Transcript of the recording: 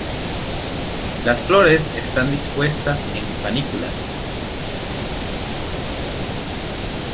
Las flores están dispuestas en panículas.